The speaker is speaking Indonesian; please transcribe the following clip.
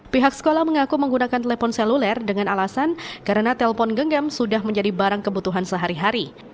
pihak sekolah mengaku menggunakan telepon seluler dengan alasan karena telpon genggam sudah menjadi barang kebutuhan sehari hari